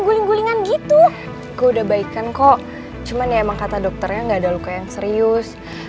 guling gulingan gitu ke udah baikan kok cuman emang kata dokternya enggak ada luka yang serius